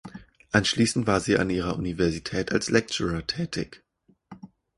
Anschließend war sie an ihrer Universität als Lecturer tätig.